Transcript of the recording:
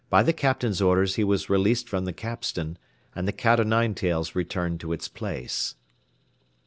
By the Captain's orders he was released from the capstan, and the cat o' nine tails returned to its Place.